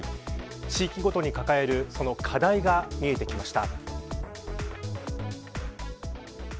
地域ごとに抱えるその課題が見えてきました。